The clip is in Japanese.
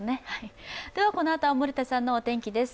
このあとは森田さんのお天気です。